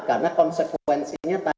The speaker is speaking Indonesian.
karena konsekuensinya tadi